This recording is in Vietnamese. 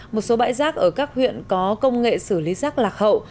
một số bãi rác ở các huyện có công nghệ xử lý rác lạc hậu